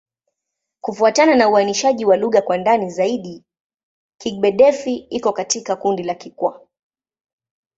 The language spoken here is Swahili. Kufuatana na uainishaji wa lugha kwa ndani zaidi, Kigbe-Defi iko katika kundi la Kikwa.